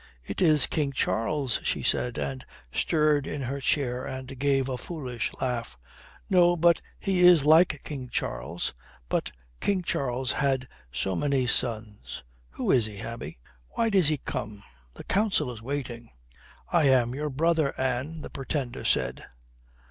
"It is King Charles," she said, and stirred in her chair and gave a foolish laugh. "No, but he is like King Charles. But King Charles had so many sons. Who is he, Abbie? Why does he come? The Council is waiting." "I am your brother, Anne," the Pretender said.